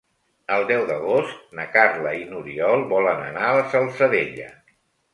El deu d'agost na Carla i n'Oriol volen anar a la Salzadella.